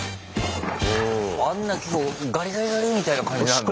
あんな結構ガリガリガリみたいな感じなんだ。